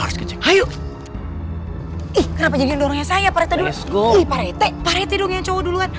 harus kecil hai kenapa jadi orangnya saya percaya skopi rt rt dong yang cowok duluan